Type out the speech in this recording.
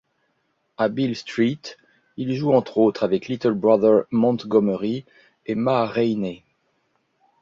À Beale Street, il joue entre autres avec Little Brother Montgomery et Ma Rainey.